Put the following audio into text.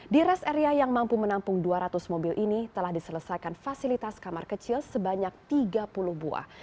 di rest area yang mampu menampung dua ratus mobil ini telah diselesaikan fasilitas kamar kecil sebanyak tiga puluh buah